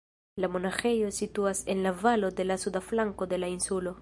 La monaĥejo situas en valo de la suda flanko de la insulo.